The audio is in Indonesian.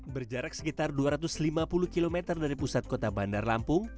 berjarak sekitar dua ratus lima puluh km dari pusat kota bandar lampung